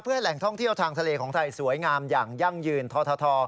เพื่อให้แหล่งท่องเที่ยวทางทะเลของไทยสวยงามอย่างยั่งยืนทท